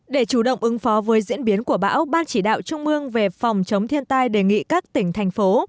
để chủ động ứng phó với diễn biến của bão ban chỉ đạo trung mương về phòng chống thiên tai đề nghị các tỉnh thành phố